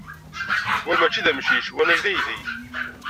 Wa maci d amcic wanag d aydi.